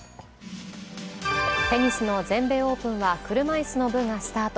テニスの全米オープンは車いすの部がスタート。